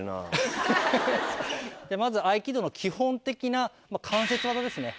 まず合気道の基本的な関節技ですね